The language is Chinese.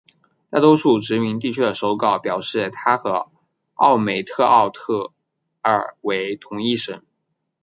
大多数殖民时期的手稿表示她与奥梅特奥特尔为同一神。